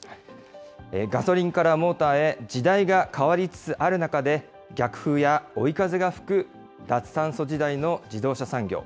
ガソリンからモーターへ時代が変わりつつある中で、逆風や追い風が吹く脱炭素時代の自動車産業。